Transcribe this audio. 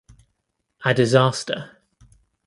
A disaster.